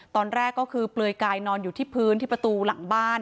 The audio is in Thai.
ตอนแรกก็คือเปลือยกายนอนอยู่ที่พื้นที่ประตูหลังบ้าน